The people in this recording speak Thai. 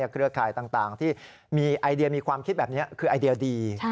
เครือข่ายต่างที่มีไอเดียมีความคิดแบบนี้คือไอเดียดี